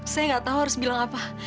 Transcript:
saya nggak tahu harus bilang apa